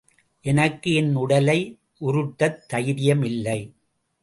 எனக்கு என் உடலை உருட்டத் தைரியம் இல்லை.